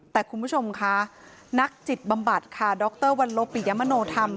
แต่คุณผู้ชมค่ะนักจิตบำบัดค่ะดรวัลโลปิยมโนธรรม